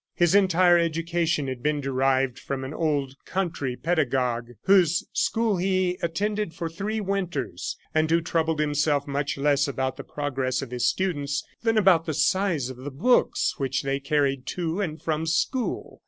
His entire education had been derived from an old country pedagogue, whose school he attended for three winters, and who troubled himself much less about the progress of his students than about the size of the books which they carried to and from the school.